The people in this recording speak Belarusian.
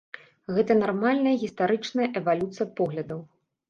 Гэта нармальная гістарычная эвалюцыя поглядаў.